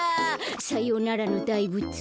さようならのだいぶつ。